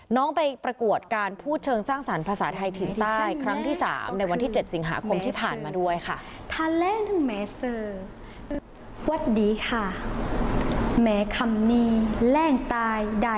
น้องไปประกวดการพูดเชิงสร้างสรรค์ภาษาไทยเถียงใต้ครั้งที่๓ในวันที่๗สิงหาคมที่ผ่านมาด้วยค่ะ